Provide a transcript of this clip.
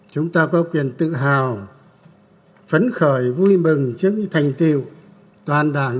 chúng ta có quyền tự hào phấn khởi vui mừng trước thành tiêu toàn đảng